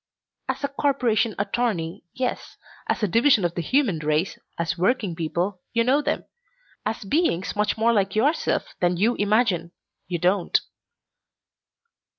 "As a corporation attorney, yes. As a division of the human race, as working people, you know them. As beings much more like yourself than you imagine, you don't."